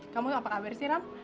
kamu apa kabar sih ram